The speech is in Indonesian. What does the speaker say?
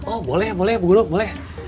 oh boleh boleh bu guru boleh